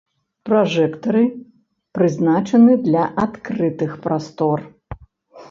Пражэктары, прызначаны для адкрытых прастор.